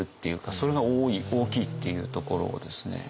それが大きいっていうところをですね。